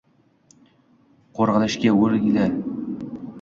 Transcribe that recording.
Qo'rg'ilishga o'rgili